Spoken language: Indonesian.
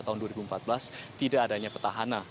tahun dua ribu empat belas tidak adanya petahana